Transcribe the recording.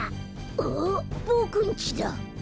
ああボクんちだ。